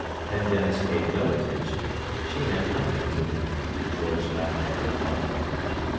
Pendennis paid no attention; she meant nothing to him, and George laughed at her fondly.